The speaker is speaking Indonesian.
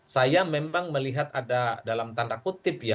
saya memang melihat ada dalam tanda kutip ya